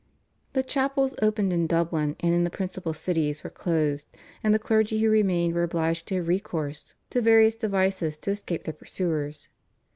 The chapels opened in Dublin and in the principal cities were closed, and the clergy who remained were obliged to have recourse to various devices to escape their pursuers.